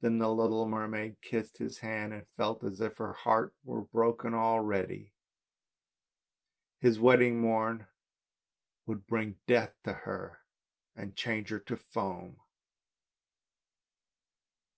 Then the little mermaid kissed his hand, and felt as if her heart were broken already. His wedding morn would bring death to her and change her to foam.